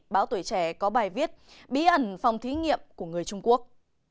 báo tuổi trẻ có bài viết bí ẩn phòng thí nghiệm của người trung quốc